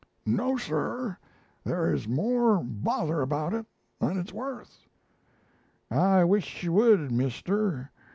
"'No sir; there is more bother about it than it's worth.' "'I wish you would, mister.